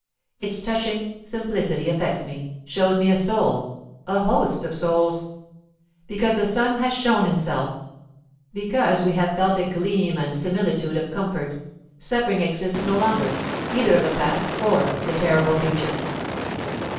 Its touching simplicity affects me, shows me a soul a host of souls. Because the sun has shown himself, because we have felt a gleam and a similitude of comfort, suffering exists no longer, either of the past or the terrible future.